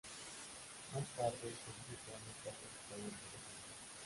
Más tarde, se dijo que ambos casos estaban relacionados.